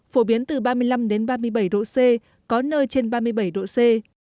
phổ biến từ ba mươi năm ba mươi bảy độ c có nơi trên ba mươi bảy độ c